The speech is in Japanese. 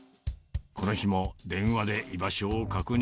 この日も電話で居場所を確認。